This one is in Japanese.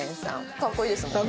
かっこいいですもんね。